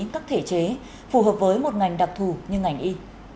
các thể chế phù hợp với một ngành đặc thù như ngành y